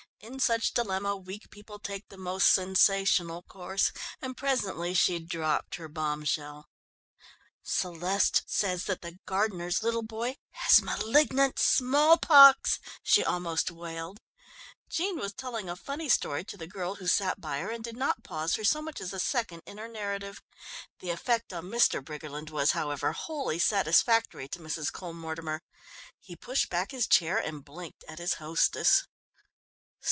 In such dilemma, weak people take the most sensational course, and presently she dropped her bombshell. "Celeste says that the gardener's little boy has malignant smallpox," she almost wailed. Jean was telling a funny story to the girl who sat by her, and did not pause for so much as a second in her narrative. The effect on Mr. Briggerland was, however, wholly satisfactory to Mrs. Cole Mortimer. He pushed back his chair and blinked at his "hostess."